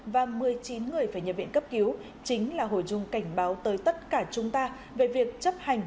và một mươi chín người phải nhập viện cấp cứu chính là hồi dung cảnh báo tới tất cả chúng ta về việc chấp hành